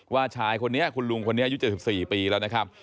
ว่าชายคนนี้คุณลุงคนเนี้ยย๓๖๐ปีแล้วนะครับ